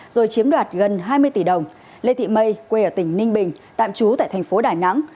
rồi chiếm đoạt gần hai mươi tỷ đồng lê thị mây quê ở tỉnh ninh bình tạm trú tại thành phố đà nẵng